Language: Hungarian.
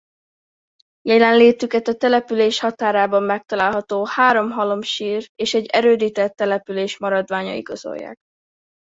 Jelenlétüket a település határában megtalálható három halomsír és egy erődített település maradványa igazolják.